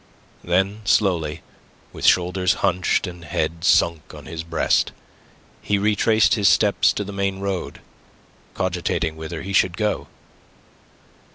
Then slowly, with shoulders hunched and head sunk on his breast, he retraced his steps to the main road, cogitating whither he should go.